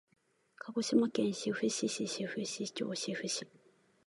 鹿児島県志布志市志布志町志布志